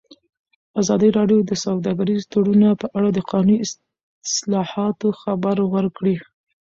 ازادي راډیو د سوداګریز تړونونه په اړه د قانوني اصلاحاتو خبر ورکړی.